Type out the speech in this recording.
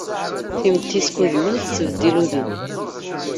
Timetti skudmal tettbeddil udem.